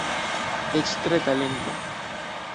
Eĉ tre talenta.